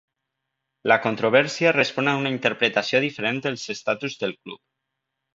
La controvèrsia respon a una interpretació diferent dels estatuts del club.